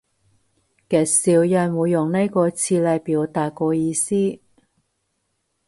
極少人會用呢個詞嚟表達個意思